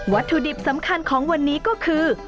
ถุดิบสำคัญของวันนี้ก็คือ